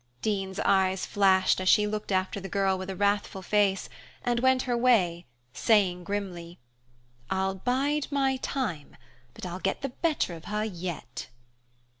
Dean's eyes flashed as she looked after the girl with a wrathful face, and went her way, saying grimly, "I'll bide my time, but I'll get the better of her yet."